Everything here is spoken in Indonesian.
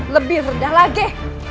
lebih rendah lagi